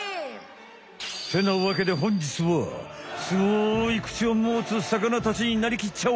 てなわけでほんじつはスゴい口をもつさかなたちになりきっちゃおう！